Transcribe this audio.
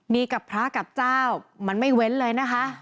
นี่กับพระกับเจ้ามันไม่เว้นเลยนะคะ